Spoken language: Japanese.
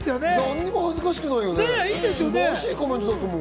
何も恥ずかしくないよね。